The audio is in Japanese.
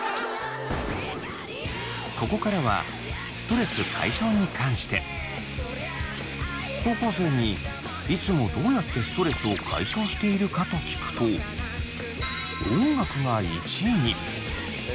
ここからはストレス解消に関して高校生にいつもどうやってストレスを解消しているかと聞くと音楽が１位に。